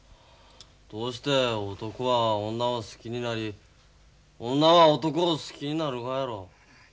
どうして男は女を好きになり女は男を好きになるがやろう。